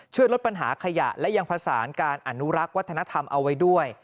ช่วยลดปัญหาขยะและยังผสานการอนุรักษ์วัฒนธรรมเอาไว้ด้วย